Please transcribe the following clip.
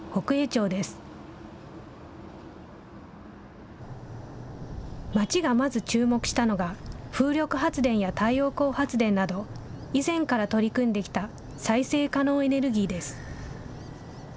町がまず注目したのが、風力発電や太陽光発電など、以前から取り組んできた再生可能エネルギーです。